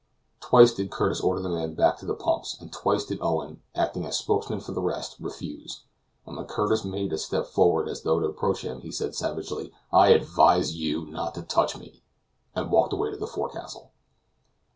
Twice did Curtis order the men back to the pumps, and twice did Owen, acting as spokesman for the rest, refuse; and when Curtis made a step forward as though to approach him, he said savagely: "I advise you not to touch me," and walked away to the forecastle.